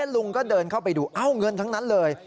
ลุงก็เดินเข้าไปดูเอ้าเงินทั้งนั้นเลย